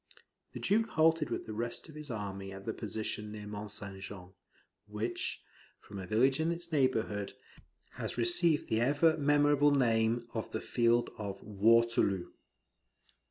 The Duke halted with the rest of his army at the position near Mont St. Jean, which, from a village in its neighbourhood, has received the ever memorable name of the field of Waterloo.